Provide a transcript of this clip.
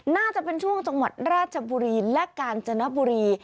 น่าจะเป็นช่วงจังหวัดราชบุรีและกาญจนบุรี